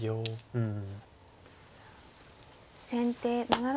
うん。